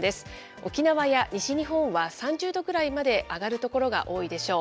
沖縄や西日本は３０度ぐらいまで上がる所が多いでしょう。